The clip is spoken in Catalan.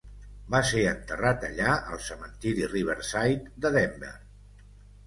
Va ser enterrat allà al cementiri Riverside de Denver.